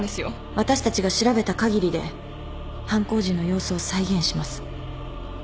私たちが調べたかぎりで犯行時の様子を再現します。